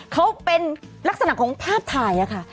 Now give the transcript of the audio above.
เขาเป็นลักษณะของภาพถ่ายค่ะ